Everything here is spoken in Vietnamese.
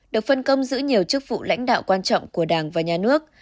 được phân công giữ nhiều chức vụ lãnh đạo quan trọng của đảng và nhà nước